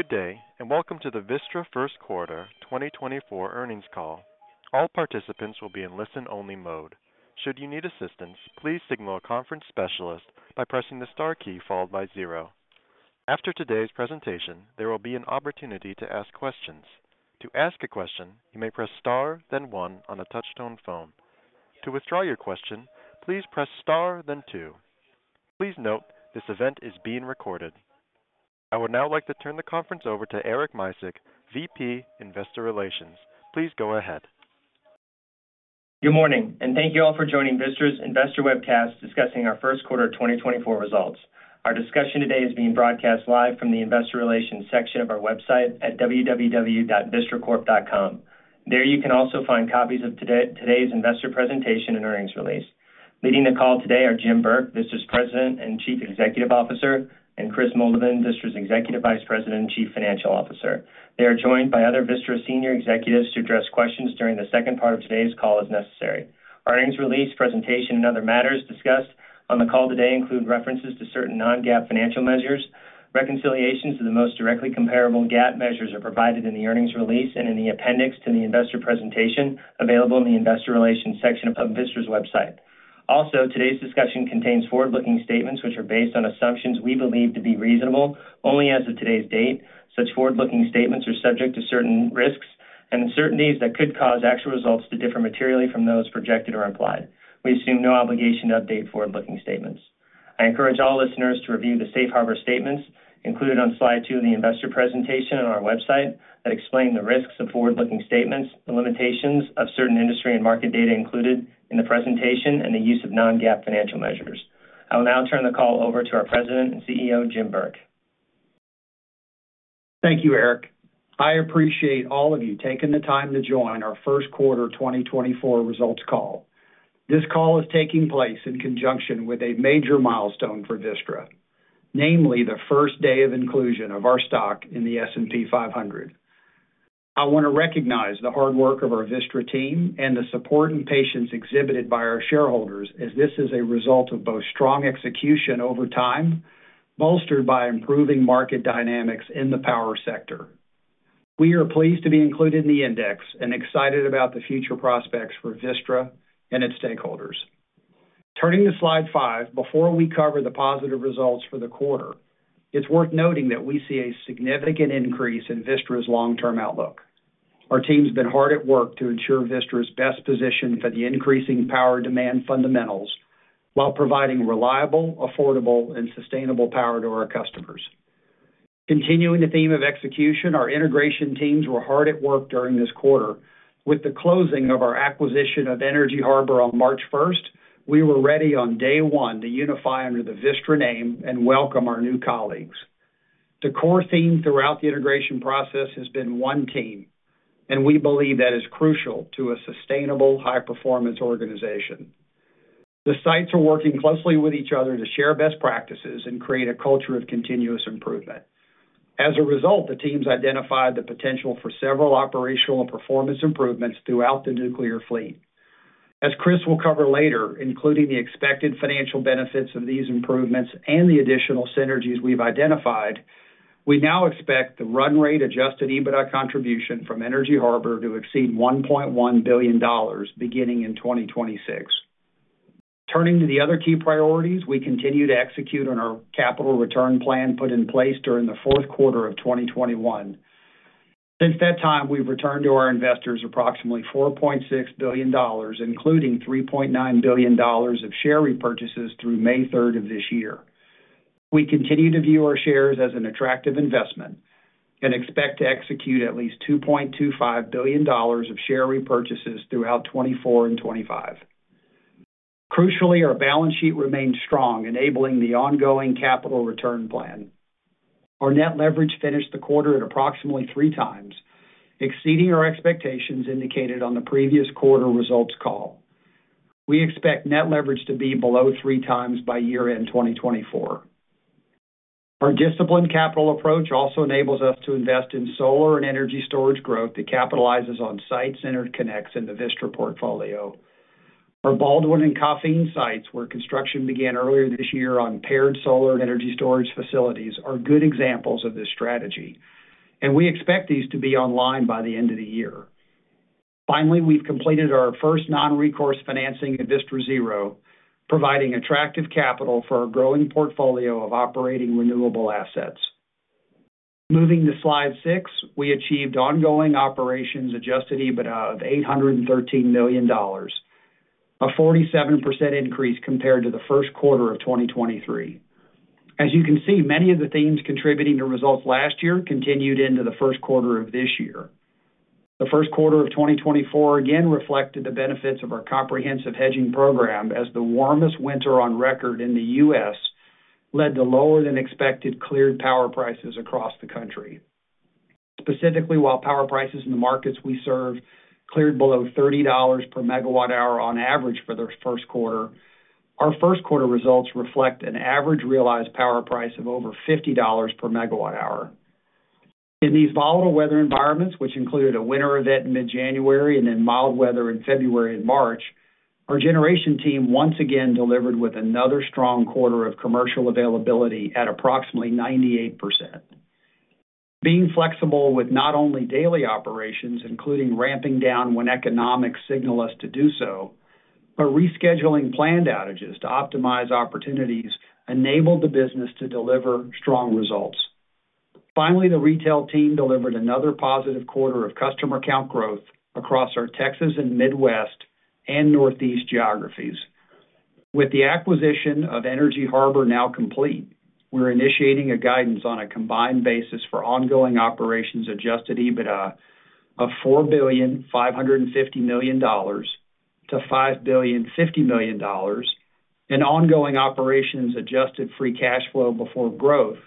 Good day, and welcome to the Vistra First Quarter 2024 Earnings Call. All participants will be in listen-only mode. Should you need assistance, please signal a conference specialist by pressing the star key followed by zero. After today's presentation, there will be an opportunity to ask questions. To ask a question, you may press star, then one on a touch-tone phone. To withdraw your question, please press star then two. Please note, this event is being recorded. I would now like to turn the conference over to Eric Micek, VP, Investor Relations. Please go ahead. Good morning, and thank you all for joining Vistra's Investor Webcast, discussing our first quarter of 2024 results. Our discussion today is being broadcast live from the Investor Relations section of our website at www.vistracorp.com. There you can also find copies of today's investor presentation and earnings release. Leading the call today are Jim Burke, Vistra's President and Chief Executive Officer, and Kris Moldovan, Vistra's Executive Vice President and Chief Financial Officer. They are joined by other Vistra senior executives to address questions during the second part of today's call as necessary. Our earnings release, presentation, and other matters discussed on the call today include references to certain Non-GAAP financial measures. Reconciliations to the most directly comparable GAAP measures are provided in the earnings release and in the appendix to the investor presentation, available in the Investor Relations section of Vistra's website. Also, today's discussion contains forward-looking statements which are based on assumptions we believe to be reasonable, only as of today's date. Such forward-looking statements are subject to certain risks and uncertainties that could cause actual results to differ materially from those projected or implied. We assume no obligation to update forward-looking statements. I encourage all listeners to review the safe harbor statements included on slide two of the investor presentation on our website that explain the risks of forward-looking statements, the limitations of certain industry and market data included in the presentation, and the use of Non-GAAP financial measures. I will now turn the call over to our President and CEO, Jim Burke. Thank you, Eric. I appreciate all of you taking the time to join our first quarter 2024 results call. This call is taking place in conjunction with a major milestone for Vistra, namely, the first day of inclusion of our stock in the S&P 500. I want to recognize the hard work of our Vistra team and the support and patience exhibited by our shareholders, as this is a result of both strong execution over time, bolstered by improving market dynamics in the power sector. We are pleased to be included in the index and excited about the future prospects for Vistra and its stakeholders. Turning to slide five, before we cover the positive results for the quarter, it's worth noting that we see a significant increase in Vistra's long-term outlook. Our team's been hard at work to ensure Vistra is best positioned for the increasing power demand fundamentals, while providing reliable, affordable, and sustainable power to our customers. Continuing the theme of execution, our integration teams were hard at work during this quarter. With the closing of our acquisition of Energy Harbor on March 1st, we were ready on day one to unify under the Vistra name and welcome our new colleagues. The core theme throughout the integration process has been one team, and we believe that is crucial to a sustainable, high-performance organization. The sites are working closely with each other to share best practices and create a culture of continuous improvement. As a result, the teams identified the potential for several operational and performance improvements throughout the nuclear fleet. As Kris will cover later, including the expected financial benefits of these improvements and the additional synergies we've identified, we now expect the run-rate Adjusted EBITDA contribution from Energy Harbor to exceed $1.1 billion, beginning in 2026. Turning to the other key priorities, we continue to execute on our capital return plan put in place during the fourth quarter of 2021. Since that time, we've returned to our investors approximately $4.6 billion, including $3.9 billion of share repurchases through May 3rd of this year. We continue to view our shares as an attractive investment and expect to execute at least $2.25 billion of share repurchases throughout 2024 and 2025. Crucially, our balance sheet remains strong, enabling the ongoing capital return plan. Our net leverage finished the quarter at approximately three times, exceeding our expectations indicated on the previous quarter results call. We expect net leverage to be below three times by year-end 2024. Our disciplined capital approach also enables us to invest in solar and energy storage growth that capitalizes on site-centered connects in the Vistra portfolio. Our Baldwin and Coffeen sites, where construction began earlier this year on paired solar and energy storage facilities, are good examples of this strategy, and we expect these to be online by the end of the year. Finally, we've completed our first non-recourse financing at Vistra Zero, providing attractive capital for our growing portfolio of operating renewable assets. Moving to slide six, we achieved ongoing operations adjusted EBITDA of $813 million, a 47% increase compared to the first quarter of 2023. As you can see, many of the themes contributing to results last year continued into the first quarter of this year. The first quarter of 2024 again reflected the benefits of our comprehensive hedging program, as the warmest winter on record in the U.S. led to lower than expected cleared power prices across the country. Specifically, while power prices in the markets we serve cleared below $30 per megawatt hour on average for the first quarter, our first quarter results reflect an average realized power price of over $50 per megawatt hour. In these volatile weather environments, which included a winter event in mid-January and then mild weather in February and March, our generation team once again delivered with another strong quarter of commercial availability at approximately 98%. Being flexible with not only daily operations, including ramping down when economics signal us to do so, but rescheduling planned outages to optimize opportunities, enabled the business to deliver strong results. Finally, the retail team delivered another positive quarter of customer count growth across our Texas and Midwest and Northeast geographies. With the acquisition of Energy Harbor now complete, we're initiating a guidance on a combined basis for ongoing operations Adjusted EBITDA of $4.55 billion-$5.05 billion, and ongoing operations adjusted free cash flow before growth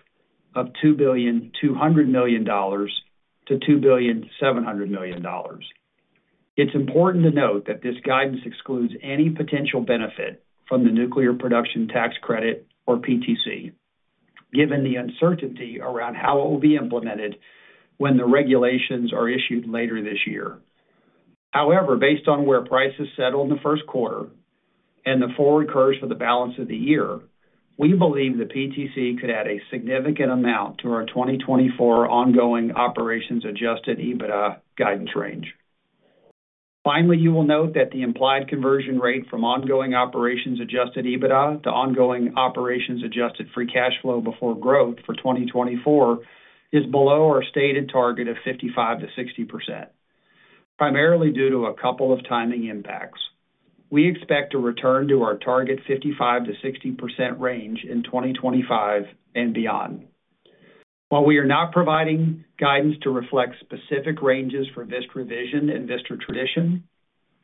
of $2.2 billion-$2.7 billion. It's important to note that this guidance excludes any potential benefit from the nuclear production tax credit, or PTC, given the uncertainty around how it will be implemented when the regulations are issued later this year. However, based on where prices settled in the first quarter and the forward curves for the balance of the year, we believe the PTC could add a significant amount to our 2024 ongoing operations adjusted EBITDA guidance range. Finally, you will note that the implied conversion rate from ongoing operations adjusted EBITDA to ongoing operations adjusted free cash flow before growth for 2024 is below our stated target of 55%-60%, primarily due to a couple of timing impacts. We expect to return to our target 55%-60% range in 2025 and beyond. While we are not providing guidance to reflect specific ranges for Vistra Vision and Vistra Tradition,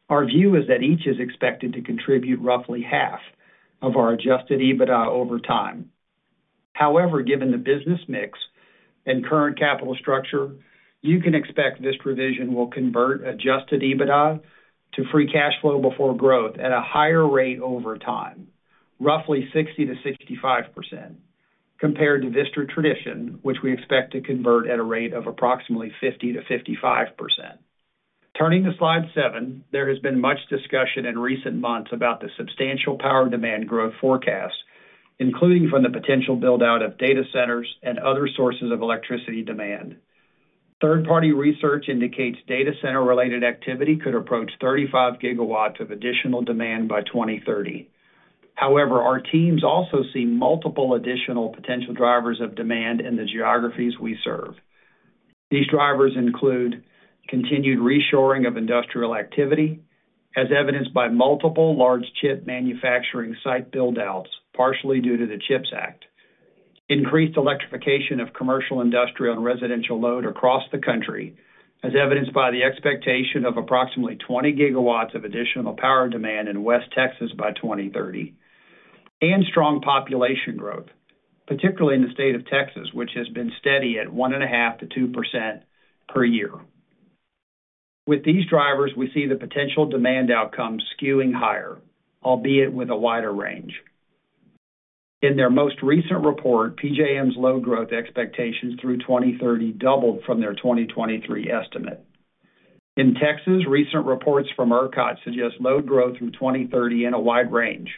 our view is that each is expected to contribute roughly half of our adjusted EBITDA over time. However, given the business mix and current capital structure, you can expect Vistra Vision will convert Adjusted EBITDA to free cash flow before growth at a higher rate over time, roughly 60%-65%, compared to Vistra Tradition, which we expect to convert at a rate of approximately 50%-55%. Turning to slide seven, there has been much discussion in recent months about the substantial power demand growth forecast, including from the potential build-out of data centers and other sources of electricity demand. Third-party research indicates data center-related activity could approach 35 GW of additional demand by 2030. However, our teams also see multiple additional potential drivers of demand in the geographies we serve. These drivers include continued reshoring of industrial activity, as evidenced by multiple large chip manufacturing site build-outs, partially due to the CHIPS Act. Increased electrification of commercial, industrial, and residential load across the country, as evidenced by the expectation of approximately 20 GW of additional power demand in West Texas by 2030, and strong population growth, particularly in the state of Texas, which has been steady at 1.5%-2% per year. With these drivers, we see the potential demand outcome skewing higher, albeit with a wider range. In their most recent report, PJM's load growth expectations through 2030 doubled from their 2023 estimate. In Texas, recent reports from ERCOT suggest load growth through 2030 in a wide range,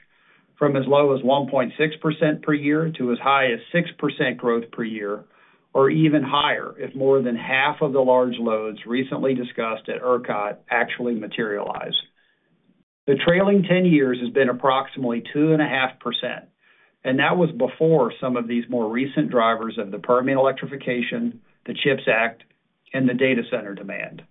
from as low as 1.6% per year to as high as 6% growth per year, or even higher, if more than half of the large loads recently discussed at ERCOT actually materialize. The trailing 10 years has been approximately 2.5%, and that was before some of these more recent drivers of the Permian electrification, the CHIPS Act, and the data center demand.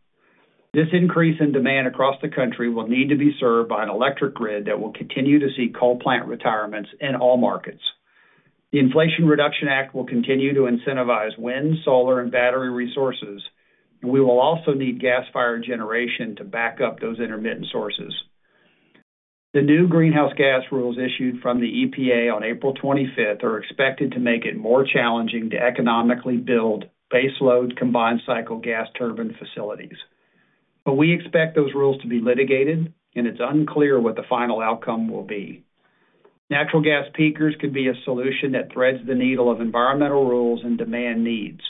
This increase in demand across the country will need to be served by an electric grid that will continue to see coal plant retirements in all markets. The Inflation Reduction Act will continue to incentivize wind, solar, and battery resources, and we will also need gas-fired generation to back up those intermittent sources. The new greenhouse gas rules issued from the EPA on April 25th are expected to make it more challenging to economically build base load combined cycle gas turbine facilities. But we expect those rules to be litigated, and it's unclear what the final outcome will be. Natural gas peakers could be a solution that threads the needle of environmental rules and demand needs.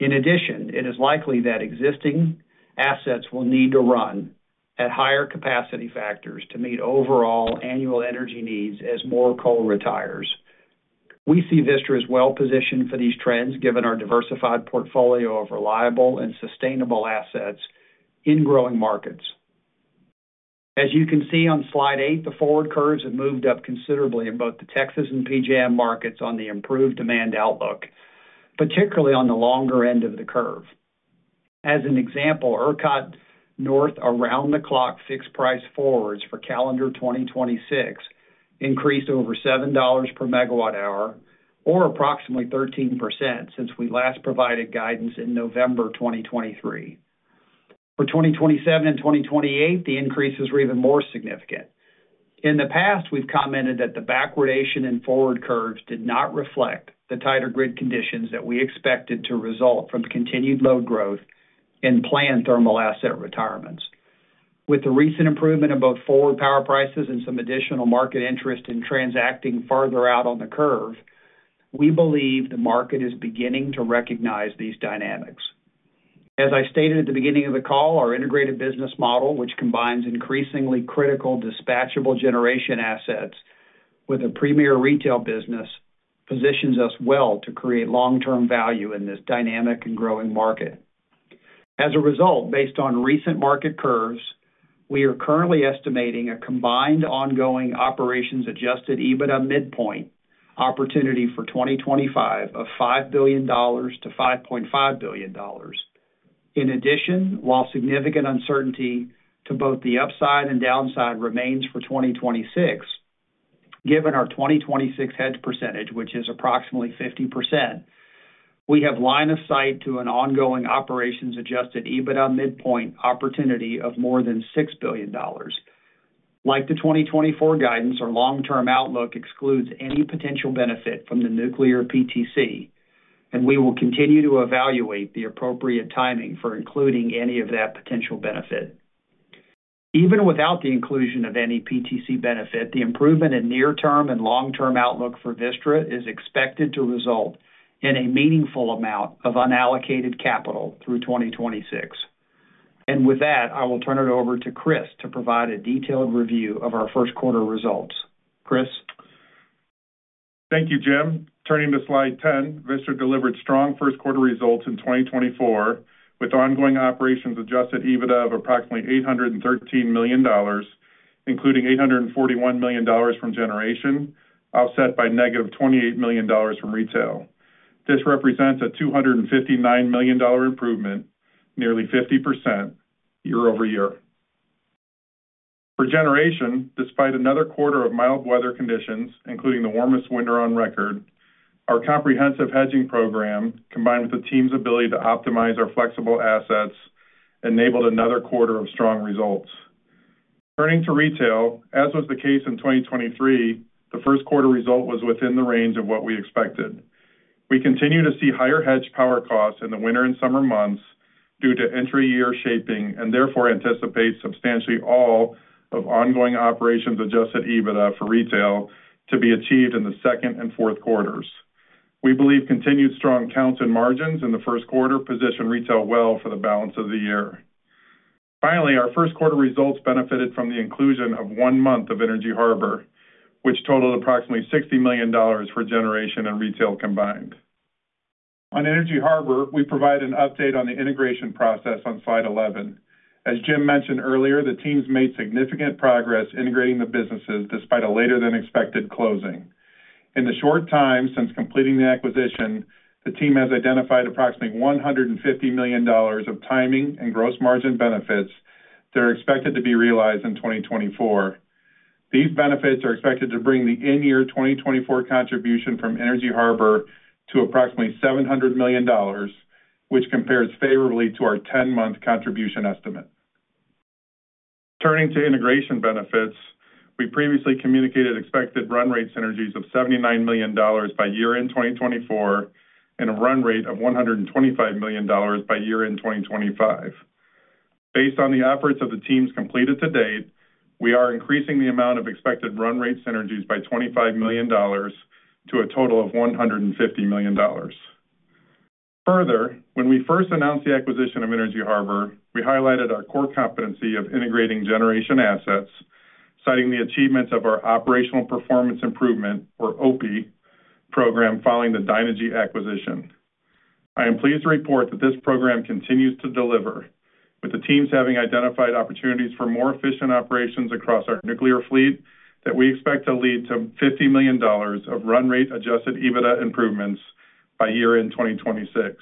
In addition, it is likely that existing assets will need to run at higher capacity factors to meet overall annual energy needs as more coal retires. We see Vistra as well positioned for these trends, given our diversified portfolio of reliable and sustainable assets in growing markets. As you can see on slide eight, the forward curves have moved up considerably in both the Texas and PJM markets on the improved demand outlook, particularly on the longer end of the curve. As an example, ERCOT North around-the-clock fixed price forwards for calendar 2026 increased over $7 per MWh or approximately 13% since we last provided guidance in November 2023. For 2027 and 2028, the increases were even more significant. In the past, we've commented that the backwardation in forward curves did not reflect the tighter grid conditions that we expected to result from continued load growth and planned thermal asset retirements. With the recent improvement in both forward power prices and some additional market interest in transacting farther out on the curve, we believe the market is beginning to recognize these dynamics. As I stated at the beginning of the call, our integrated business model, which combines increasingly critical dispatchable generation assets with a premier retail business, positions us well to create long-term value in this dynamic and growing market. As a result, based on recent market curves, we are currently estimating a combined ongoing operations Adjusted EBITDA midpoint opportunity for 2025 of $5 billion-$5.5 billion. In addition, while significant uncertainty to both the upside and downside remains for 2026, given our 2026 hedge percentage, which is approximately 50%, we have line of sight to an ongoing operations Adjusted EBITDA midpoint opportunity of more than $6 billion. Like the 2024 guidance, our long-term outlook excludes any potential benefit from the nuclear PTC, and we will continue to evaluate the appropriate timing for including any of that potential benefit. Even without the inclusion of any PTC benefit, the improvement in near-term and long-term outlook for Vistra is expected to result in a meaningful amount of unallocated capital through 2026. With that, I will turn it over to Kris to provide a detailed review of our first quarter results. Kris? Thank you, Jim. Turning to slide 10, Vistra delivered strong first quarter results in 2024, with ongoing operations Adjusted EBITDA of approximately $813 million, including $841 million from generation, offset by -$28 million from retail. This represents a $259 million-dollar improvement, nearly 50% year-over-year. For generation, despite another quarter of mild weather conditions, including the warmest winter on record, our comprehensive hedging program, combined with the team's ability to optimize our flexible assets, enabled another quarter of strong results. Turning to retail, as was the case in 2023, the first quarter result was within the range of what we expected. We continue to see higher hedged power costs in the winter and summer months due to intra-year shaping, and therefore anticipate substantially all of ongoing operations Adjusted EBITDA for retail to be achieved in the second and fourth quarters. We believe continued strong counts and margins in the first quarter position retail well for the balance of the year. Finally, our first quarter results benefited from the inclusion of one month of Energy Harbor, which totaled approximately $60 million for generation and retail combined. On Energy Harbor, we provide an update on the integration process on slide 11. As Jim mentioned earlier, the teams made significant progress integrating the businesses despite a later than expected closing. In the short time since completing the acquisition, the team has identified approximately $150 million of timing and gross margin benefits that are expected to be realized in 2024. These benefits are expected to bring the in-year 2024 contribution from Energy Harbor to approximately $700 million, which compares favorably to our ten-month contribution estimate. Turning to integration benefits, we previously communicated expected run rate synergies of $79 million by year-end 2024, and a run rate of $125 million by year-end 2025. Based on the efforts of the teams completed to date, we are increasing the amount of expected run rate synergies by $25 million to a total of $150 million. Further, when we first announced the acquisition of Energy Harbor, we highlighted our core competency of integrating generation assets, citing the achievements of our Operational Performance Improvement, or OPI, program following the Dynegy acquisition. I am pleased to report that this program continues to deliver, with the teams having identified opportunities for more efficient operations across our nuclear fleet that we expect to lead to $50 million of run rate Adjusted EBITDA improvements by year-end 2026.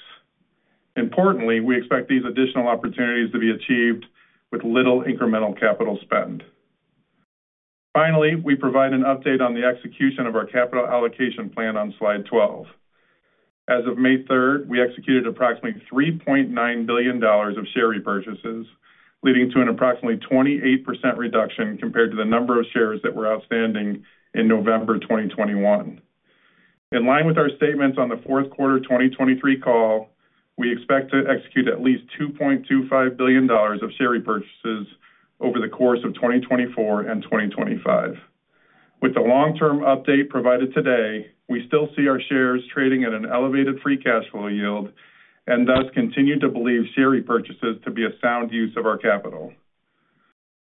Importantly, we expect these additional opportunities to be achieved with little incremental capital spend. Finally, we provide an update on the execution of our capital allocation plan on slide 12. As of May 3rd, we executed approximately $3.9 billion of share repurchases, leading to an approximately 28% reduction compared to the number of shares that were outstanding in November 2021. In line with our statements on the fourth quarter 2023 call, we expect to execute at least $2.25 billion of share repurchases over the course of 2024 and 2025. With the long-term update provided today, we still see our shares trading at an elevated free cash flow yield and thus continue to believe share repurchases to be a sound use of our capital.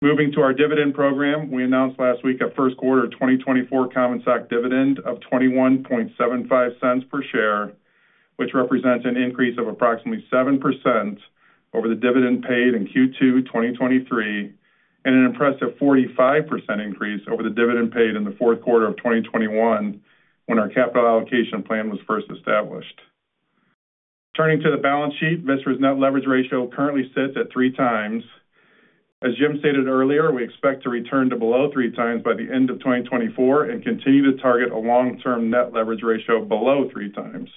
Moving to our dividend program, we announced last week a first quarter 2024 common stock dividend of $0.2175 per share, which represents an increase of approximately 7% over the dividend paid in Q2 2023, and an impressive 45% increase over the dividend paid in the fourth quarter of 2021, when our capital allocation plan was first established. Turning to the balance sheet, Vistra's net leverage ratio currently sits at 3x. As Jim stated earlier, we expect to return to below three times by the end of 2024 and continue to target a long-term net leverage ratio below three times.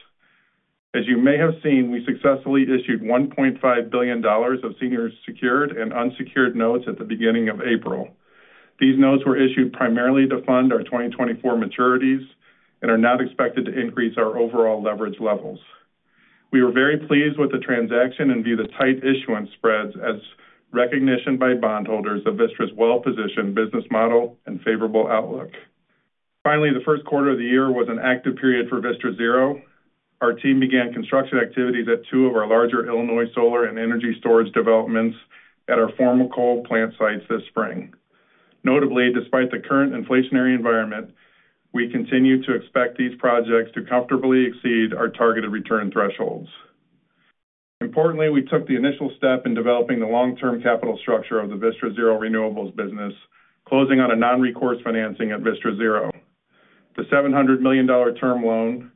As you may have seen, we successfully issued $1.5 billion of senior secured and unsecured notes at the beginning of April. These notes were issued primarily to fund our 2024 maturities and are not expected to increase our overall leverage levels. ...We were very pleased with the transaction and view the tight issuance spreads as recognition by bondholders of Vistra's well-positioned business model and favorable outlook. Finally, the first quarter of the year was an active period for Vistra Zero. Our team began construction activities at two of our larger Illinois solar and energy storage developments at our former coal plant sites this spring. Notably, despite the current inflationary environment, we continue to expect these projects to comfortably exceed our targeted return thresholds. Importantly, we took the initial step in developing the long-term capital structure of the Vistra Zero renewables business, closing on a non-recourse financing at Vistra Zero. The $700 million term loan,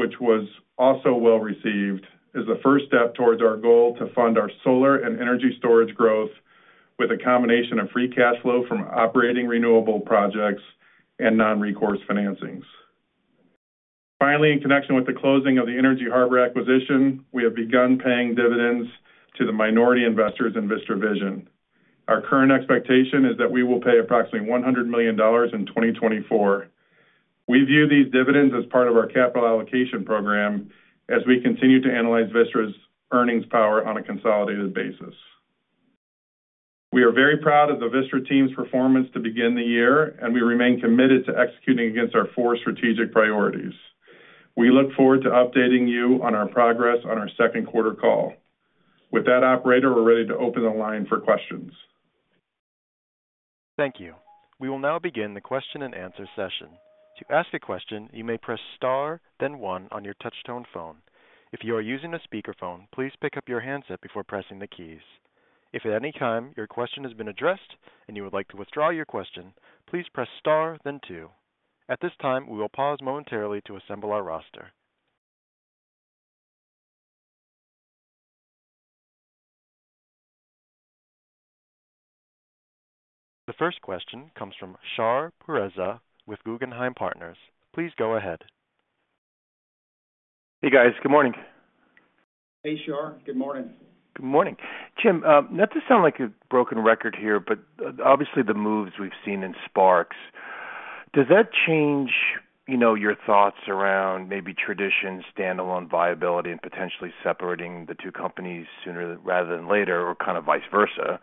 which was also well received, is the first step towards our goal to fund our solar and energy storage growth with a combination of free cash flow from operating renewable projects and non-recourse financings. Finally, in connection with the closing of the Energy Harbor acquisition, we have begun paying dividends to the minority investors in Vistra Vision. Our current expectation is that we will pay approximately $100 million in 2024. We view these dividends as part of our capital allocation program as we continue to analyze Vistra's earnings power on a consolidated basis. We are very proud of the Vistra team's performance to begin the year, and we remain committed to executing against our four strategic priorities. We look forward to updating you on our progress on our second quarter call. With that, operator, we're ready to open the line for questions. Thank you. We will now begin the question-and-answer session. To ask a question, you may press star, then one on your touchtone phone. If you are using a speakerphone, please pick up your handset before pressing the keys. If at any time your question has been addressed and you would like to withdraw your question, please press star then two. At this time, we will pause momentarily to assemble our roster. The first question comes from Shar Pourreza with Guggenheim Partners. Please go ahead. Hey, guys. Good morning. Hey, Shar. Good morning. Good morning. Jim, not to sound like a broken record here, but, obviously, the moves we've seen in spark spreads, does that change, you know, your thoughts around maybe Tradition's standalone viability and potentially separating the two companies sooner rather than later, or kind of vice versa?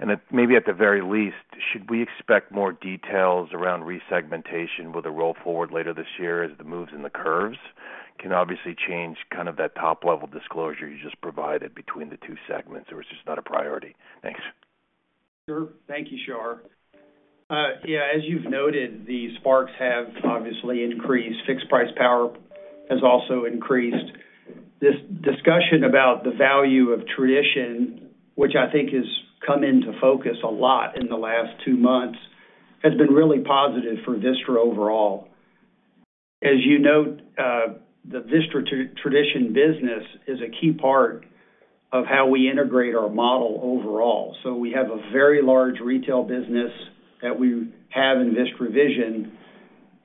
And then, maybe at the very least, should we expect more details around resegmentation with a roll forward later this year as the moves in the curves can obviously change kind of that top-level disclosure you just provided between the two segments, or it's just not a priority? Thanks. Sure. Thank you, Shar. Yeah, as you've noted, the spark spreads have obviously increased. Fixed price power has also increased. This discussion about the value of Tradition, which I think has come into focus a lot in the last two months, has been really positive for Vistra overall. As you note, the Vistra Tradition business is a key part of how we integrate our model overall. So we have a very large retail business that we have in Vistra Vision,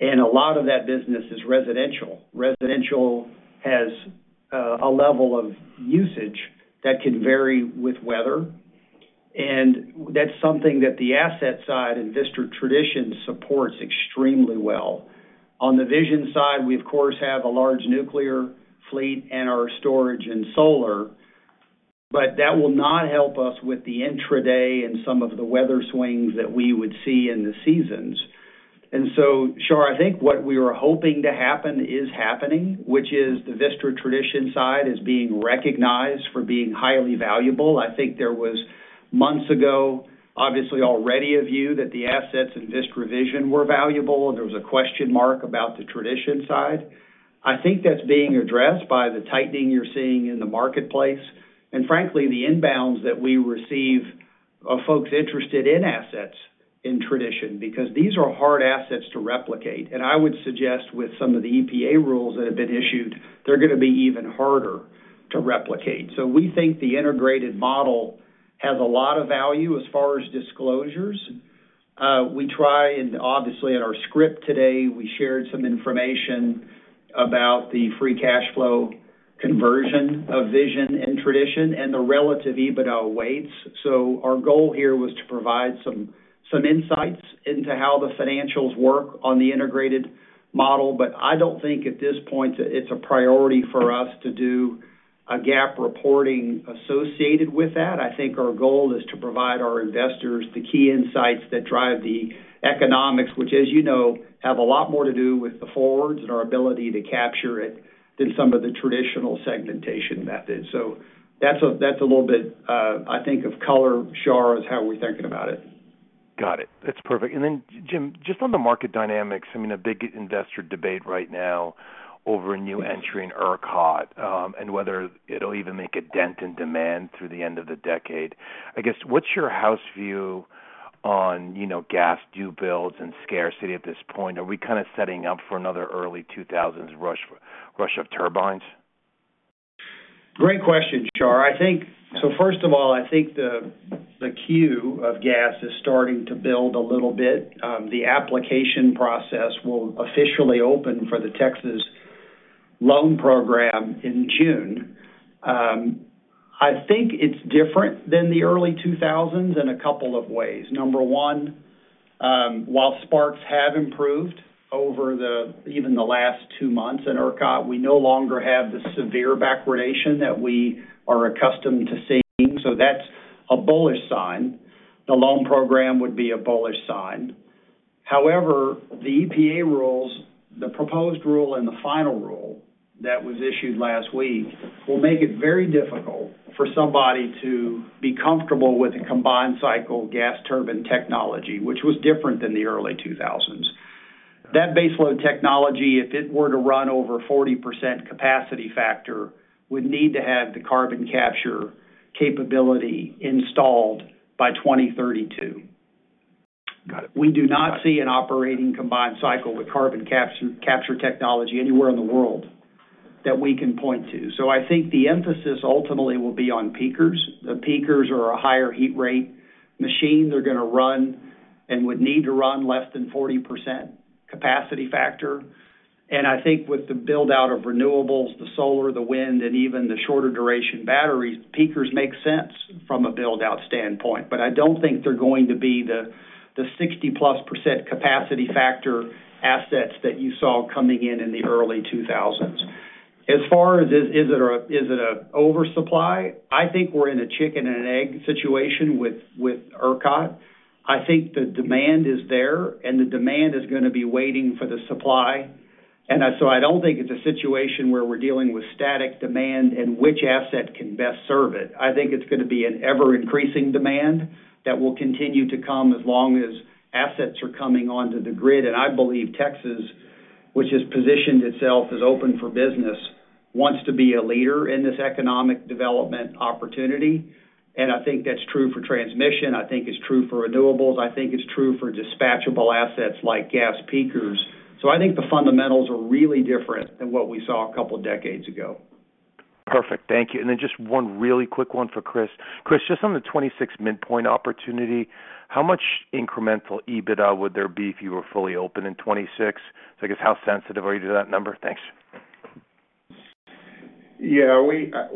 and a lot of that business is residential. Residential has a level of usage that can vary with weather, and that's something that the asset side and Vistra Tradition supports extremely well. On the Vision side, we, of course, have a large nuclear fleet and our storage and solar, but that will not help us with the intraday and some of the weather swings that we would see in the seasons. And so, Shar, I think what we were hoping to happen is happening, which is the Vistra Tradition side is being recognized for being highly valuable. I think there was, months ago, obviously, already a view that the assets in Vistra Vision were valuable, and there was a question mark about the Tradition side. I think that's being addressed by the tightening you're seeing in the marketplace, and frankly, the inbounds that we receive of folks interested in assets in Tradition, because these are hard assets to replicate. And I would suggest, with some of the EPA rules that have been issued, they're gonna be even harder to replicate. So we think the integrated model has a lot of value as far as disclosures. We try and, obviously, in our script today, we shared some information about the free cash flow conversion of Vision and Tradition and the relative EBITDA weights. So our goal here was to provide some insights into how the financials work on the integrated model. But I don't think at this point, it's a priority for us to do a GAAP reporting associated with that. I think our goal is to provide our investors the key insights that drive the economics, which, as you know, have a lot more to do with the forwards and our ability to capture it than some of the traditional segmentation methods. So that's a little bit, I think, of color, Shar, is how we're thinking about it. Got it. That's perfect. Then, Jim, just on the market dynamics, I mean, a big investor debate right now over a new entry in ERCOT, and whether it'll even make a dent in demand through the end of the decade. I guess, what's your house view on, you know, gas queue builds and scarcity at this point? Are we kind of setting up for another early 2000s rush of turbines? Great question, Shar. I think. So first of all, I think the queue of gas is starting to build a little bit. The application process will officially open for the Texas Loan Program in June. I think it's different than the early 2000s in a couple of ways. Number one, while spark spreads have improved over even the last 2 months in ERCOT, we no longer have the severe backwardation that we are accustomed to seeing, so that's a bullish sign. The loan program would be a bullish sign. However, the EPA rules, the proposed rule and the final rule that was issued last week, will make it very difficult for somebody to be comfortable with a combined cycle gas turbine technology, which was different than the early 2000s. That baseload technology, if it were to run over 40% capacity factor, would need to have the carbon capture capability installed by 2032. Got it. We do not see an operating combined cycle with carbon capture technology anywhere in the world that we can point to. So I think the emphasis ultimately will be on peakers. The peakers are a higher heat rate machine. They're gonna run and would need to run less than 40% capacity factor. And I think with the build-out of renewables, the solar, the wind, and even the shorter duration batteries, peakers make sense from a build-out standpoint. But I don't think they're going to be the 60%+ capacity factor assets that you saw coming in in the early 2000s. As far as is it an oversupply? I think we're in a chicken and egg situation with ERCOT. I think the demand is there, and the demand is gonna be waiting for the supply. And so I don't think it's a situation where we're dealing with static demand and which asset can best serve it. I think it's gonna be an ever-increasing demand that will continue to come as long as assets are coming onto the grid. And I believe Texas, which has positioned itself as open for business, wants to be a leader in this economic development opportunity, and I think that's true for transmission, I think it's true for renewables, I think it's true for dispatchable assets like gas peakers. So I think the fundamentals are really different than what we saw a couple decades ago. Perfect. Thank you. And then just one really quick one for Kris. Kris, just on the 2026 midpoint opportunity, how much incremental EBITDA would there be if you were fully open in 2026? So I guess, how sensitive are you to that number? Thanks. Yeah, we have.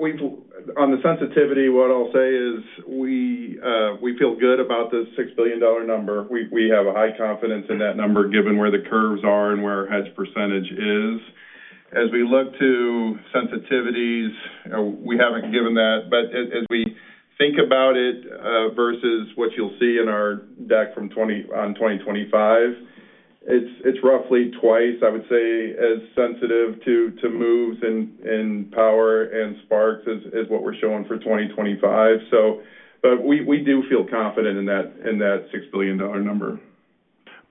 On the sensitivity, what I'll say is we, we feel good about the $6 billion number. We, we have a high confidence in that number, given where the curves are and where our hedge percentage is. As we look to sensitivities, we haven't given that, but as, as we think about it, versus what you'll see in our deck from 2025, it's, it's roughly twice, I would say, as sensitive to, to moves in, in power and sparks as, as what we're showing for 2025. So but we, we do feel confident in that, in that $6 billion number.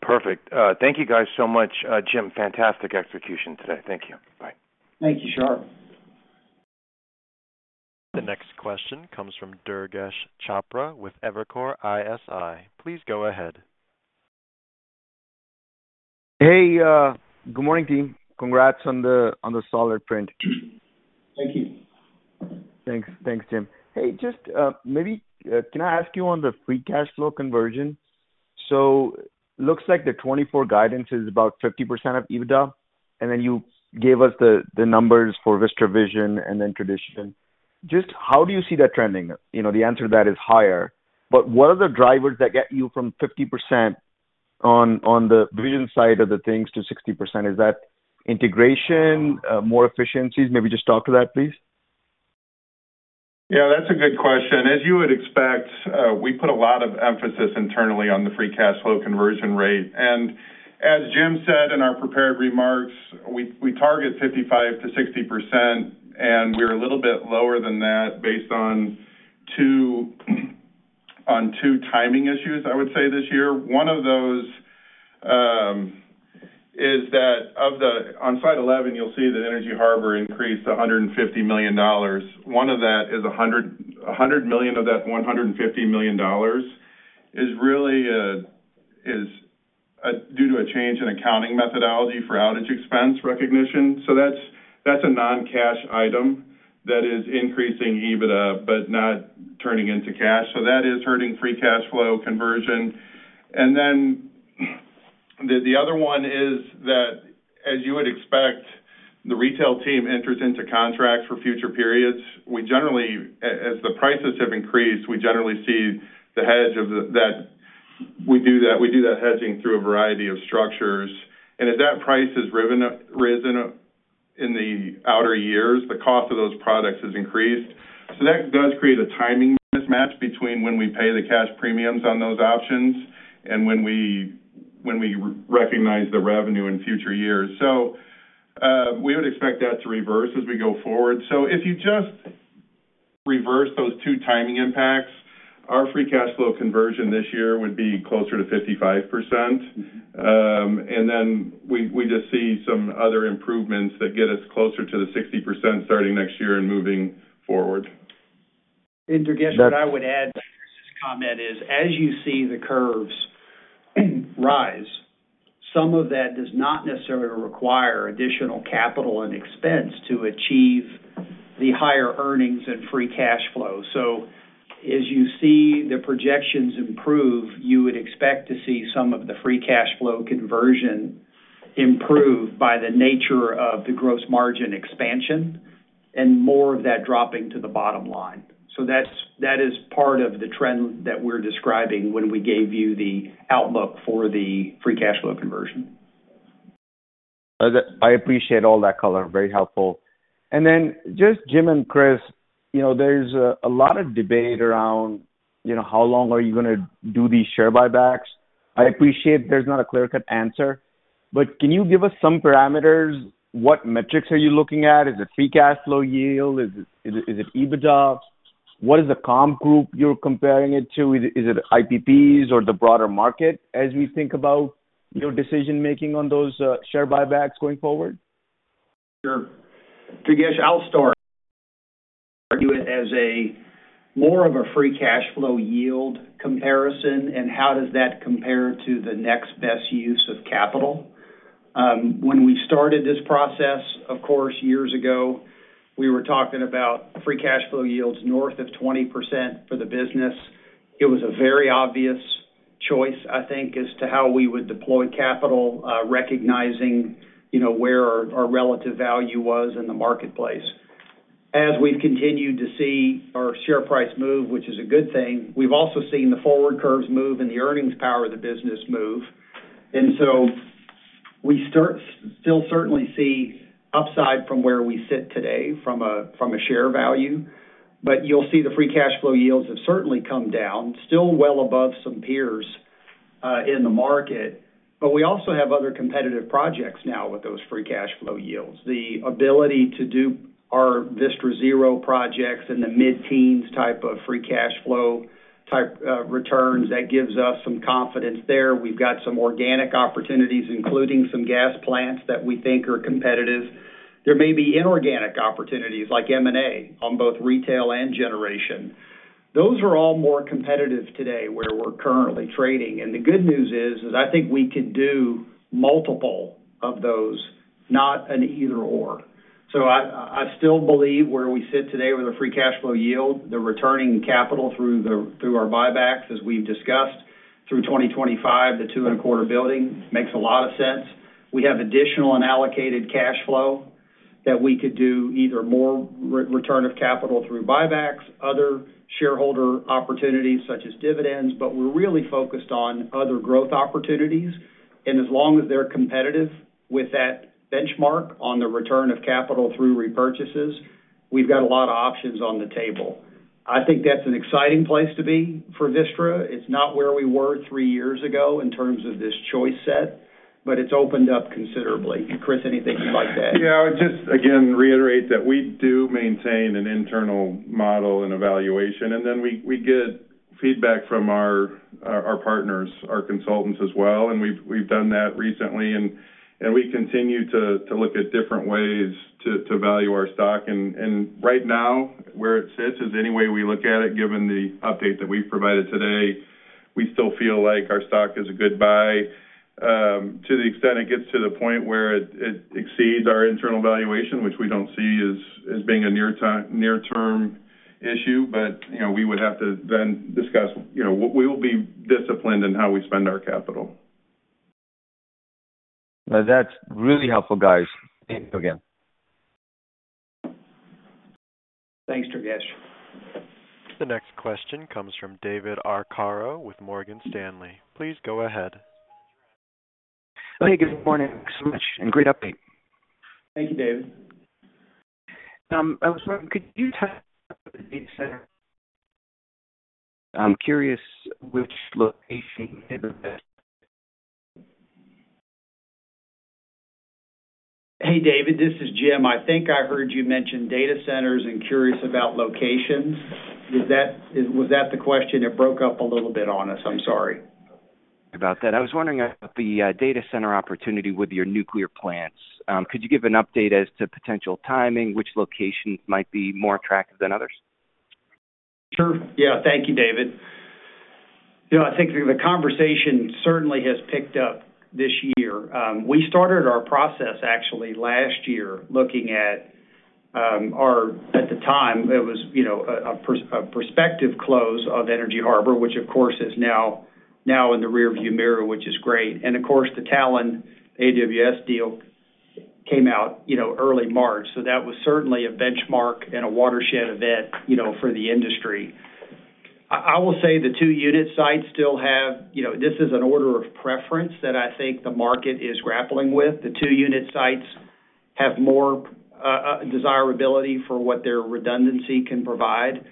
Perfect. Thank you guys so much. Jim, fantastic execution today. Thank you. Bye. Thank you Shar. The next question comes from Durgesh Chopra with Evercore ISI. Please go ahead. Hey, good morning, team. Congrats on the solid print. Thank you. Thanks. Thanks, Jim. Hey, just maybe can I ask you on the free cash flow conversion? So looks like the 2024 guidance is about 50% of EBITDA, and then you gave us the numbers for Vistra Vision and then Tradition. Just how do you see that trending? You know, the answer to that is higher, but what are the drivers that get you from 50% on the vision side of the things to 60%? Is that integration, more efficiencies? Maybe just talk to that, please. Yeah, that's a good question. As you would expect, we put a lot of emphasis internally on the free cash flow conversion rate. And as Jim said in our prepared remarks, we target 55%-60%, and we're a little bit lower than that based on two timing issues, I would say, this year. One of those is that on slide 11, you'll see that Energy Harbor increased $150 million. One of that is $100 million of that $150 million is really due to a change in accounting methodology for outage expense recognition. So that's a non-cash item that is increasing EBITDA but not turning into cash, so that is hurting free cash flow conversion. And then, the other one is that, as you would expect, the retail team enters into contracts for future periods. We generally as the prices have increased, we generally see the hedge that we do that, we do that hedging through a variety of structures. And as that price has risen in the outer years, the cost of those products has increased. So that does create a timing mismatch between when we pay the cash premiums on those options and when we recognize the revenue in future years. So we would expect that to reverse as we go forward. So if you just reverse those two timing impacts, our free cash flow conversion this year would be closer to 55%. And then we just see some other improvements that get us closer to the 60% starting next year and moving forward. Durgesh, what I would add to Kris's comment is, as you see the curves rise, some of that does not necessarily require additional capital and expense to achieve the higher earnings and free cash flow. So as you see the projections improve, you would expect to see some of the free cash flow conversion improve by the nature of the gross margin expansion and more of that dropping to the bottom line. So that is part of the trend that we're describing when we gave you the outlook for the free cash flow conversion. I appreciate all that color. Very helpful. Then just Jim and Kris, you know, there's a lot of debate around, you know, how long are you gonna do these share buybacks? I appreciate there's not a clear-cut answer, but can you give us some parameters? What metrics are you looking at? Is it free cash flow yield? Is it, is it EBITDA? What is the comp group you're comparing it to? Is it IPPs or the broader market, as we think about your decision-making on those share buybacks going forward? Sure. Durgesh, I'll start. Argue it as more of a free cash flow yield comparison, and how does that compare to the next best use of capital? When we started this process, of course, years ago, we were talking about free cash flow yields north of 20% for the business. It was a very obvious choice, I think, as to how we would deploy capital, recognizing, you know, where our relative value was in the marketplace. As we've continued to see our share price move, which is a good thing, we've also seen the forward curves move and the earnings power of the business move. And so we still certainly see upside from where we sit today from a share value, but you'll see the free cash flow yields have certainly come down, still well above some peers in the market. But we also have other competitive projects now with those free cash flow yields. The ability to do our Vistra Zero projects in the mid-teens type of free cash flow type returns, that gives us some confidence there. We've got some organic opportunities, including some gas plants that we think are competitive. There may be inorganic opportunities, like M&A, on both retail and generation. Those are all more competitive today where we're currently trading. And the good news is I think we could do multiple of those, not an either/or. So I still believe where we sit today with a free cash flow yield, the returning capital through our buybacks, as we've discussed, through 2025, the $2.25 building, makes a lot of sense. We have additional unallocated cash flow that we could do either more return of capital through buybacks, other shareholder opportunities, such as dividends, but we're really focused on other growth opportunities. As long as they're competitive with that benchmark on the return of capital through repurchases, we've got a lot of options on the table. I think that's an exciting place to be for Vistra. It's not where we were three years ago in terms of this choice set, but it's opened up considerably. Kris, anything you'd like to add? Yeah, I would just, again, reiterate that we do maintain an internal model and evaluation, and then we get feedback from our partners, our consultants as well, and we've done that recently, and we continue to look at different ways to value our stock. And right now, where it sits is, any way we look at it, given the update that we've provided today, we still feel like our stock is a good buy. To the extent it gets to the point where it exceeds our internal valuation, which we don't see as being a near-term issue, but, you know, we would have to then discuss, you know... We will be disciplined in how we spend our capital. That's really helpful, guys. Thank you again. Thanks, Durgesh. The next question comes from David Arcaro with Morgan Stanley. Please go ahead. Hey, good morning, thanks so much, and great update. Thank you, David. I was wondering, could you tell us about the data center? I'm curious which location might be best. Hey, David, this is Jim. I think I heard you mention data centers and curious about locations. Is that--is, was that the question? It broke up a little bit on us. I'm sorry. About that. I was wondering about the data center opportunity with your nuclear plants. Could you give an update as to potential timing, which locations might be more attractive than others? Sure. Yeah, thank you, David. You know, I think the conversation certainly has picked up this year. We started our process, actually, last year, looking at, at the time, it was, you know, a prospective close of Energy Harbor, which, of course, is now in the rearview mirror, which is great. And of course, the Talen AWS deal came out, you know, early March, so that was certainly a benchmark and a watershed event, you know, for the industry. I will say the two-unit sites still have... You know, this is an order of preference that I think the market is grappling with. The two-unit sites have more desirability for what their redundancy can provide.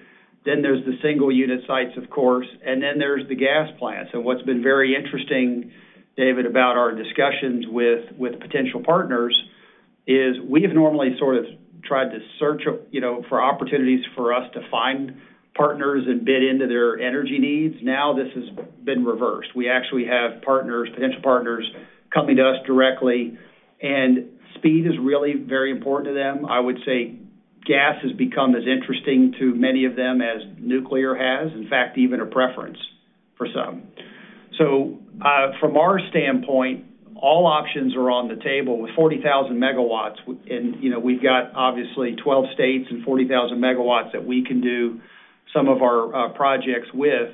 Then there's the single-unit sites, of course, and then there's the gas plants. What's been very interesting, David, about our discussions with potential partners is we've normally sort of tried to search of, you know, for opportunities for us to find partners and bid into their energy needs. Now, this has been reversed. We actually have partners, potential partners, coming to us directly, and speed is really very important to them. I would say gas has become as interesting to many of them as nuclear has, in fact, even a preference for some. From our standpoint, all options are on the table with 40,000 MW, and, you know, we've got obviously 12 states and 40,000 MW that we can do some of our projects with.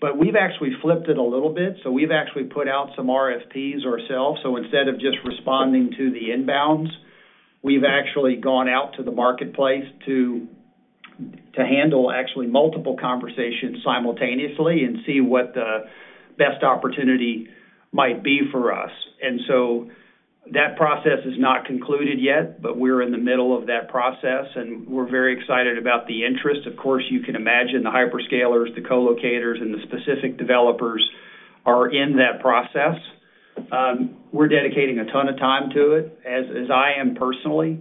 But we've actually flipped it a little bit, so we've actually put out some RFPs ourselves. So instead of just responding to the inbounds, we've actually gone out to the marketplace to handle actually multiple conversations simultaneously and see what the best opportunity might be for us. And so that process is not concluded yet, but we're in the middle of that process, and we're very excited about the interest. Of course, you can imagine the hyperscalers, the co-locators, and the specific developers are in that process. We're dedicating a ton of time to it, as I am personally,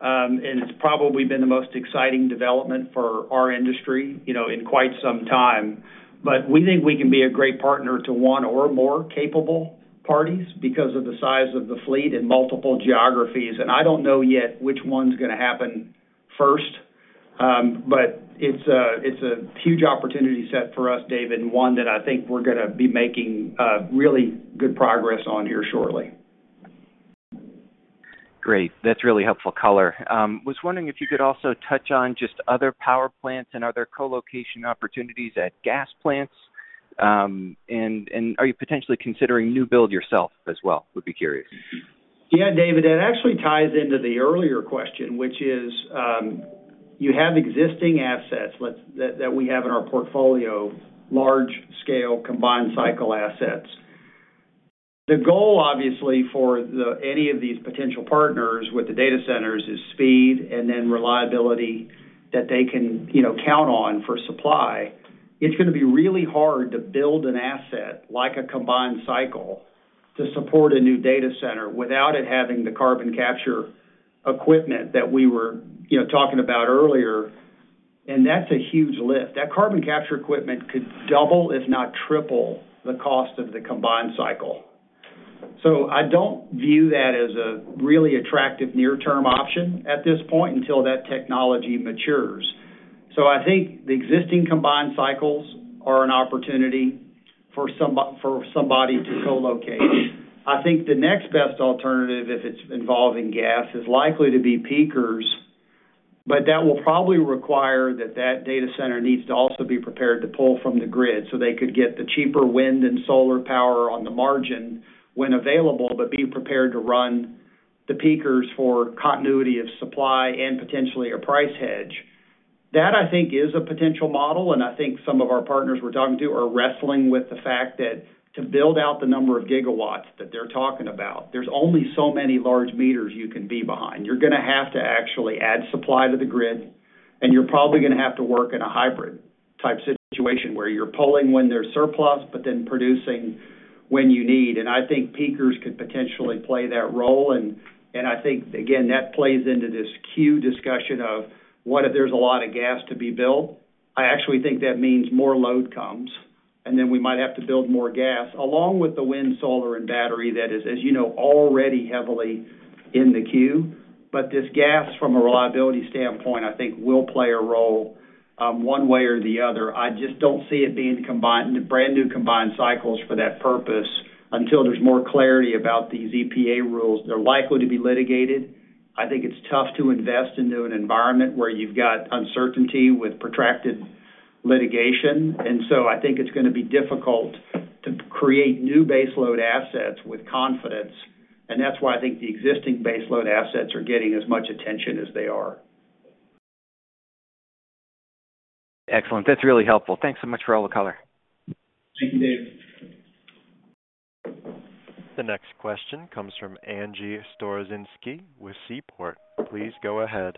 and it's probably been the most exciting development for our industry, you know, in quite some time. But we think we can be a great partner to one or more capable parties because of the size of the fleet in multiple geographies. And I don't know yet which one's gonna happen first, but it's a huge opportunity set for us, David, and one that I think we're gonna be making really good progress on here shortly. Great, that's really helpful color. Was wondering if you could also touch on just other power plants and other co-location opportunities at gas plants. And are you potentially considering new build yourself as well? Would be curious. Yeah, David, that actually ties into the earlier question, which is, you have existing assets, that we have in our portfolio, large-scale combined cycle assets. The goal, obviously, for any of these potential partners with the data centers is speed and then reliability that they can, you know, count on for supply. It's gonna be really hard to build an asset like a combined cycle to support a new data center without it having the carbon capture equipment that we were, you know, talking about earlier, and that's a huge lift. That carbon capture equipment could double, if not triple, the cost of the combined cycle. So I don't view that as a really attractive near-term option at this point, until that technology matures. So I think the existing combined cycles are an opportunity for somebody to co-locate. I think the next best alternative, if it's involving gas, is likely to be peakers, but that will probably require that that data center needs to also be prepared to pull from the grid, so they could get the cheaper wind and solar power on the margin when available, but be prepared to run the peakers for continuity of supply and potentially a price hedge. That, I think, is a potential model, and I think some of our partners we're talking to are wrestling with the fact that to build out the number of gigawatts that they're talking about, there's only so many large meters you can be behind. You're gonna have to actually add supply to the grid, and you're probably gonna have to work in a hybrid-type situation, where you're pulling when there's surplus, but then producing when you need. I think peakers could potentially play that role. And I think, again, that plays into this queue discussion of what if there's a lot of gas to be built? I actually think that means more load comes, and then we might have to build more gas, along with the wind, solar, and battery that is, as you know, already heavily in the queue. But this gas, from a reliability standpoint, I think will play a role, one way or the other. I just don't see it being combined, brand-new combined cycles for that purpose until there's more clarity about these EPA rules. They're likely to be litigated. I think it's tough to invest into an environment where you've got uncertainty with protracted litigation, and so I think it's gonna be difficult to create new base load assets with confidence, and that's why I think the existing base load assets are getting as much attention as they are. Excellent. That's really helpful. Thanks so much for all the color. Thank you, David. The next question comes from Angie Storozynski with Seaport. Please go ahead.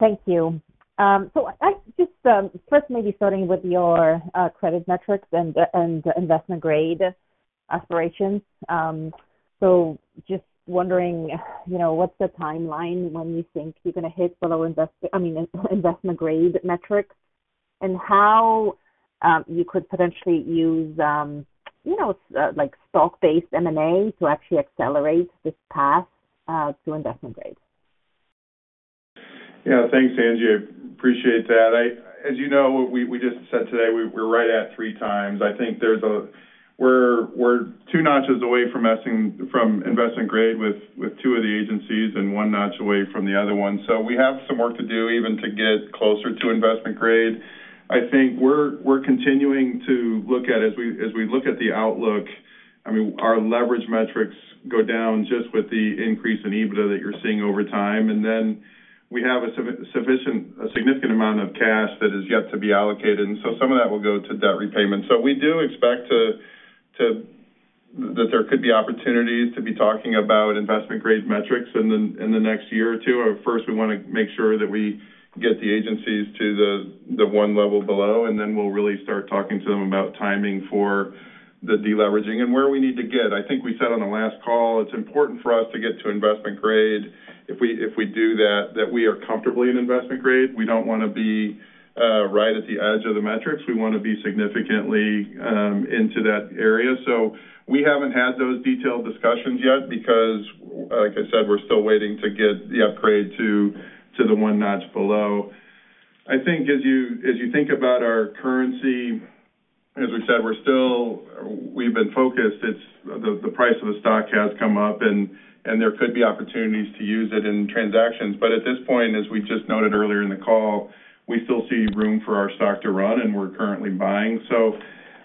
Thank you. So just first, maybe starting with your credit metrics and the investment grade aspirations. So just wondering, you know, what's the timeline when you think you're gonna hit—I mean, investment grade metrics? And how you could potentially use, you know, like stock-based M&A to actually accelerate this path to investment grade? Yeah. Thanks, Angie. I appreciate that. As you know, we just said today, we're right at three times. I think we're two notches away from investment grade with two of the agencies and one notch away from the other one. So we have some work to do even to get closer to investment grade. I think we're continuing to look at as we look at the outlook. I mean, our leverage metrics go down just with the increase in EBITDA that you're seeing over time. And then we have a significant amount of cash that is yet to be allocated, and so some of that will go to debt repayment. So we do expect that there could be opportunities to be talking about investment-grade metrics in the next year or two. But first, we wanna make sure that we get the agencies to the one level below, and then we'll really start talking to them about timing for the deleveraging. Where we need to get, I think we said on the last call, it's important for us to get to investment grade. If we do that, we are comfortably in investment grade. We don't wanna be right at the edge of the metrics. We wanna be significantly into that area. So we haven't had those detailed discussions yet because, like I said, we're still waiting to get the upgrade to the one notch below. I think as you think about our currency-... as we've said, we've been focused. It's the price of the stock has come up, and there could be opportunities to use it in transactions. But at this point, as we just noted earlier in the call, we still see room for our stock to run, and we're currently buying. So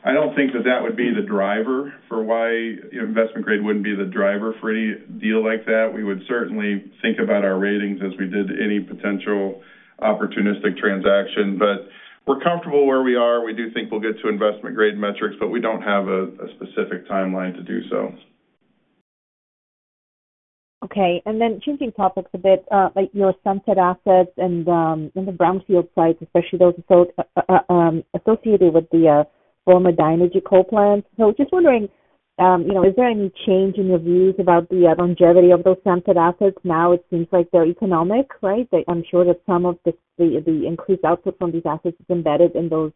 I don't think that that would be the driver for why investment grade wouldn't be the driver for a deal like that. We would certainly think about our ratings as we did any potential opportunistic transaction. But we're comfortable where we are. We do think we'll get to investment grade metrics, but we don't have a specific timeline to do so. Okay, and then changing topics a bit, like your sunset assets and, and the brownfield sites, especially those associated with the former Dynegy coal plants. So just wondering, you know, is there any change in your views about the longevity of those sunset assets? Now it seems like they're economic, right? I'm sure that some of the increased output from these assets is embedded in those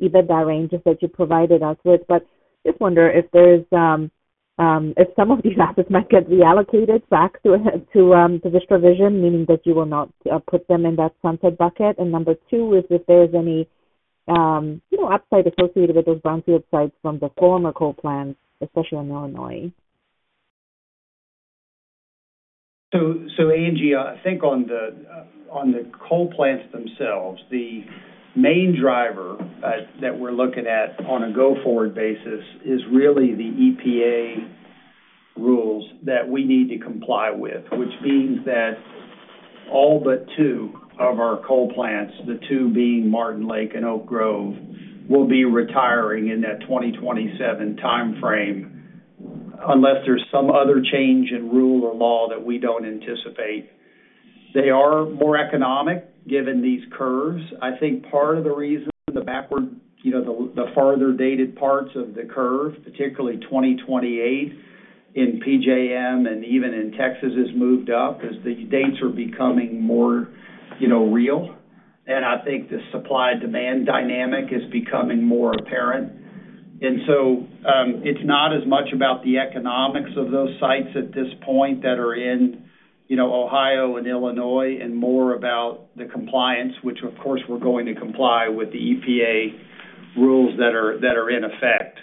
EBITDA ranges that you provided us with. But just wonder if there's, if some of these assets might get reallocated back to, to Vistra Vision, meaning that you will not put them in that sunset bucket. And number two is if there's any, you know, upside associated with those brownfield sites from the former coal plants, especially in Illinois. So, Angie, I think on the coal plants themselves, the main driver that we're looking at on a go-forward basis is really the EPA rules that we need to comply with, which means that all but two of our coal plants, the two being Martin Lake and Oak Grove, will be retiring in that 2027 time frame, unless there's some other change in rule or law that we don't anticipate. They are more economic, given these curves. I think part of the reason the backwardation, you know, the farther dated parts of the curve, particularly 2028 in PJM and even in Texas, has moved up, is the dates are becoming more, you know, real. I think the supply-demand dynamic is becoming more apparent. And so, it's not as much about the economics of those sites at this point that are in, you know, Ohio and Illinois, and more about the compliance, which of course, we're going to comply with the EPA rules that are, that are in effect.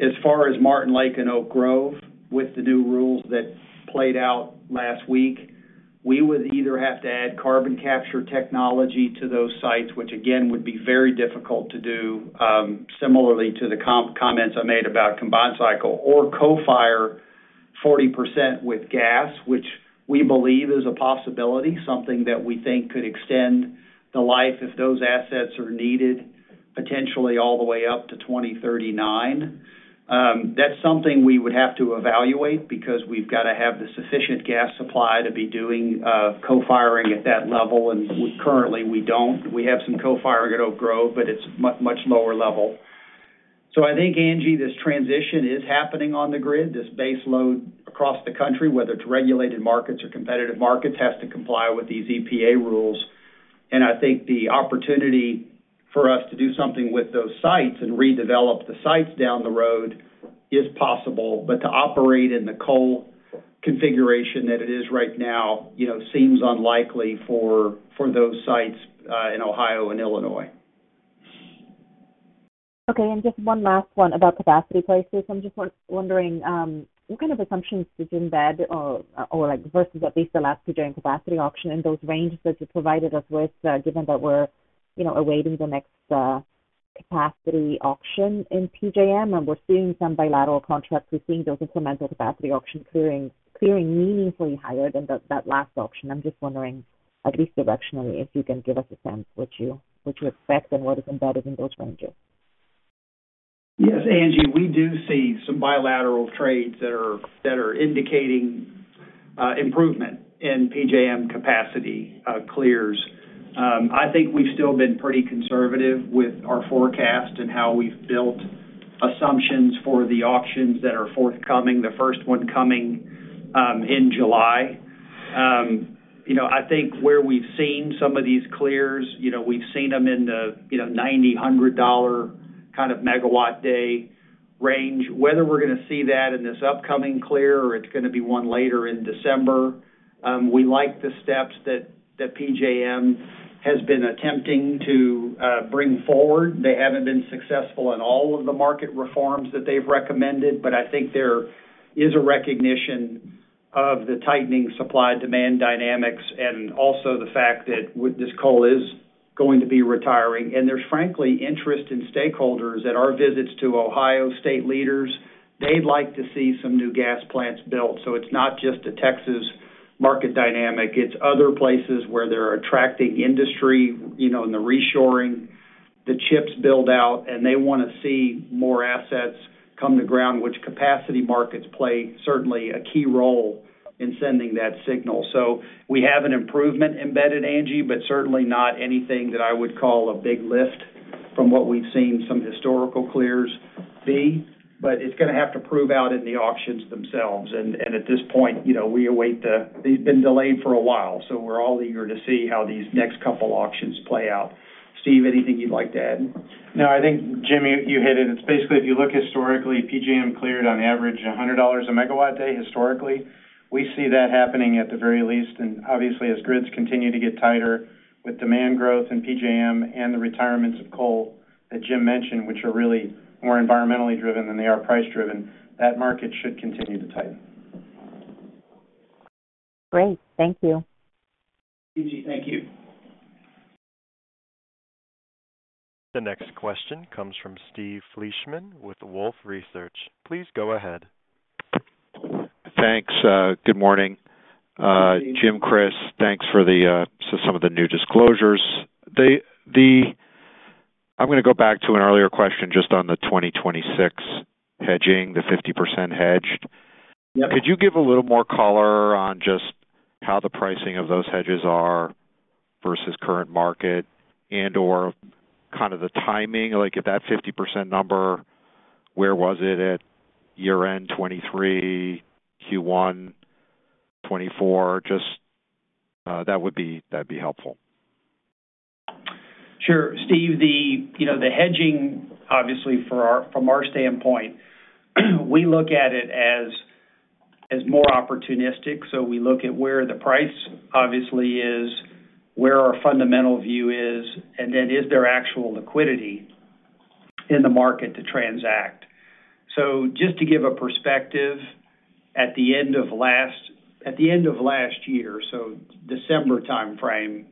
As far as Martin Lake and Oak Grove, with the new rules that played out last week, we would either have to add carbon capture technology to those sites, which again, would be very difficult to do, similarly to the comments I made about combined cycle or co-fire 40% with gas, which we believe is a possibility, something that we think could extend the life if those assets are needed, potentially all the way up to 2039. That's something we would have to evaluate because we've got to have the sufficient gas supply to be doing co-firing at that level, and currently we don't. We have some co-firing at Oak Grove, but it's much lower level. So I think, Angie, this transition is happening on the grid. This base load across the country, whether it's regulated markets or competitive markets, has to comply with these EPA rules. And I think the opportunity for us to do something with those sites and redevelop the sites down the road is possible. But to operate in the coal configuration that it is right now, you know, seems unlikely for those sites in Ohio and Illinois. Okay, and just one last one about capacity prices. I'm just wondering, what kind of assumptions did you embed, or, like, versus at least the last PJM capacity auction and those ranges that you provided us with, given that we're, you know, awaiting the next, capacity auction in PJM and we're seeing some bilateral contracts, we're seeing those incremental capacity auction clearing meaningfully higher than that, that last auction. I'm just wondering, at least directionally, if you can give us a sense what you, what you expect and what is embedded in those ranges? Yes, Angie, we do see some bilateral trades that are, that are indicating improvement in PJM capacity clears. I think we've still been pretty conservative with our forecast and how we've built assumptions for the auctions that are forthcoming, the first one coming in July. You know, I think where we've seen some of these clears, you know, we've seen them in the, you know, $90-$100 MW day range. Whether we're gonna see that in this upcoming clear, or it's gonna be one later in December, we like the steps that, that PJM has been attempting to bring forward. They haven't been successful in all of the market reforms that they've recommended, but I think there is a recognition of the tightening supply-demand dynamics and also the fact that with this coal is going to be retiring. There's frankly interest in stakeholders. At our visits to Ohio state leaders, they'd like to see some new gas plants built. It's not just a Texas market dynamic, it's other places where they're attracting industry, you know, in the reshoring, the chips build out, and they wanna see more assets come to ground, which capacity markets play certainly a key role in sending that signal. We have an improvement embedded, Angie, but certainly not anything that I would call a big lift from what we've seen some historical clears be. It's gonna have to prove out in the auctions themselves, and at this point, you know, we await the. They've been delayed for a while, so we're all eager to see how these next couple auctions play out... Steve, anything you'd like to add? No, I think, Jim, you, you hit it. It's basically, if you look historically, PJM cleared on average $100 a megawatt day, historically. We see that happening at the very least, and obviously, as grids continue to get tighter with demand growth in PJM and the retirements of coal that Jim mentioned, which are really more environmentally driven than they are price driven, that market should continue to tighten. Great. Thank you. Angie, thank you. The next question comes from Steve Fleishman with Wolfe Research. Please go ahead. Thanks. Good morning. Good evening. Jim, Kris, thanks for the so some of the new disclosures. I'm gonna go back to an earlier question just on the 2026 hedging, the 50% hedged. Yep. Could you give a little more color on just how the pricing of those hedges are versus current market and/or kind of the timing? Like, at that 50% number, where was it at year-end 2023, Q1 2024? Just, that would be, that'd be helpful. Sure. Steve, you know, the hedging, obviously, from our standpoint, we look at it as more opportunistic. So we look at where the price obviously is, where our fundamental view is, and then is there actual liquidity in the market to transact? So just to give a perspective, at the end of last year, so December timeframe,